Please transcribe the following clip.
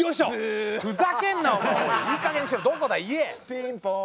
ピンポン。